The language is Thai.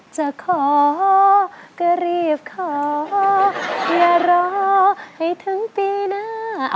จะขอก็รีบขออย่ารอให้ถึงปีหน้า